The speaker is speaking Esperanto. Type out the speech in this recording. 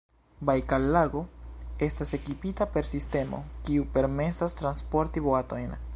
Bajkallago estas ekipita per sistemo, kiu permesas transporti boatojn.